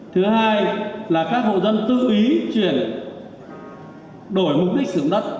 thứ hai là các hộ dân tự ý chuyển đổi mục đích sử dụng đất